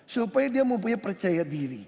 supaya dia mempunyai percaya diri